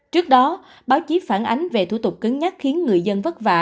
trước đó báo chí phản ánh về thủ tục cứng nhắc khiến người dân vất vả